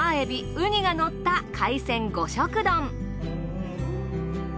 ウニがのった海鮮五色丼。